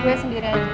gue sendiri aja